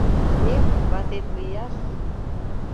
Эх, ватет лияш!..